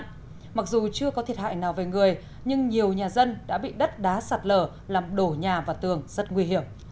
không có thiệt hại nào về người nhưng nhiều nhà dân đã bị đất đá sạt lở làm đổ nhà và tường rất nguy hiểm